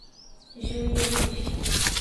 juízes